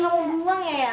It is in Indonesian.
belum mau buang ya ya